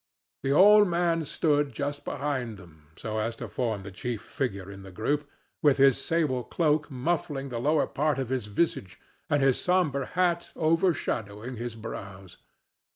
The old man stood just behind them, so as to form the chief figure in the group, with his sable cloak muffling the lower part of his visage and his sombre hat overshadowing his brows.